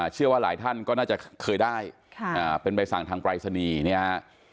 เชื่อว่าหลายท่านก็น่าจะเคยได้เป็นใบสั่งทางปรายศนีย์เนี่ยฮะ